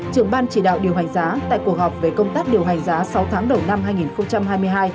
trưởng ban chỉ đạo điều hành giá tại cuộc họp về công tác điều hành giá sáu tháng đầu năm hai nghìn hai mươi hai